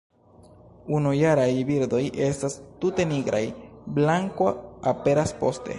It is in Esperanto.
Unujaraj birdoj estas tute nigraj; blanko aperas poste.